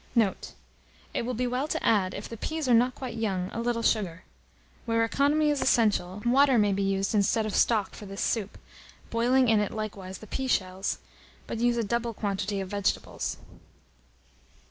Note. It will be well to add, if the peas are not quite young, a little sugar. Where economy is essential, water may be used instead of stock for this soup, boiling in it likewise the pea shells; but use a double quantity of vegetables.